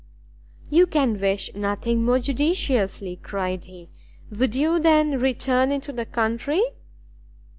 "You can wish nothing more judiciously," cried he; "would you, then, return into the country?"